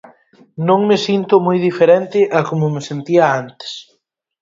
Non me sinto moi diferente a como me sentía antes.